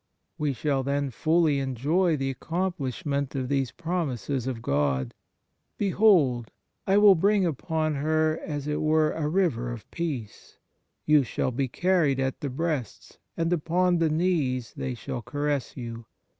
We shall then fully enjoy the accomplish ment of these promises of God: Behold, I will bring upon her as it were a river of peace ... you shall be carried at the breasts, and upon the knees they shall caress you.